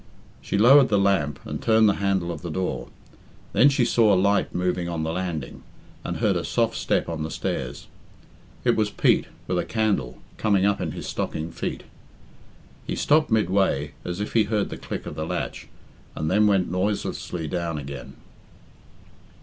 She lowered the lamp, and turned the handle of the door. Then she saw a light moving on the landing, and heard a soft step on the stairs. It was Pete, with a candle, coming up in his stockinged feet. He stopped midway, as if he heard the click of the latch, and then went noiselessly down again.